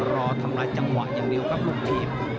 รอทำลายจังหวะอย่างเดียวครับลูกทีม